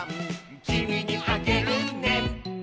「きみにあげるね」